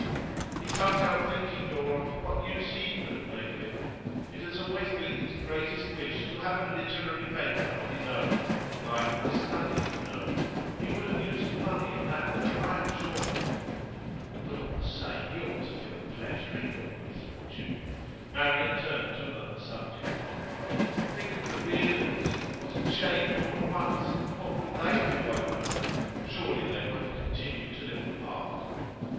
'He can't help thinking, Dora, what use he could have made of it. It has always been his greatest wish to have a literary paper of his own like The Study, you know. He would have used the money in that way, I am sure.' 'But, all the same, he ought to feel pleasure in your good fortune.' Marian turned to another subject. 'Think of the Reardons; what a change all at once! What will they do, I wonder? Surely they won't continue to live apart?